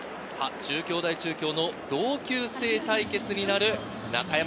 中京大中京の同級生対決になる中山